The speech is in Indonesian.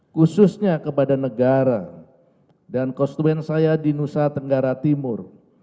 khususnya kepada negara dan konstituen saya di nusa tenggara timur